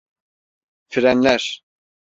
Frenler!